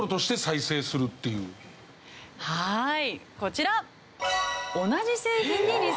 はいこちら。